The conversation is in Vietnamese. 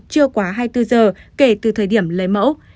chưa quá hai mươi bốn giờ kể từ thời điểm lấy mẫu